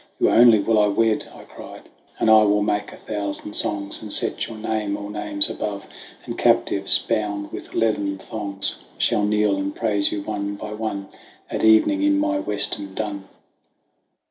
"You only will I wed," I cried, " And I will make a thousand songs, And set your name all names above, And captives bound with leathern thongs Shall kneel and praise you, one by one, At evening in my western dun."